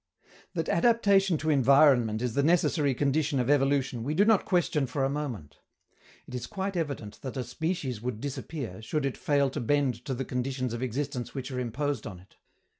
That adaptation to environment is the necessary condition of evolution we do not question for a moment. It is quite evident that a species would disappear, should it fail to bend to the conditions of existence which are imposed on it.